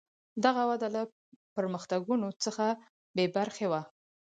دغه وده له پرمختګونو څخه بې برخې وه.